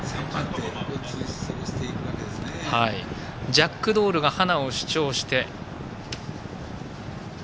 ジャックドールがハナを主張して。